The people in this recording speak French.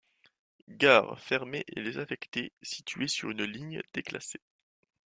Gare fermée et désaffectée située sur une ligne déclassée.